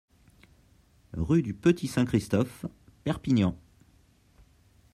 Rue du Petit-Saint-Christophe, Perpignan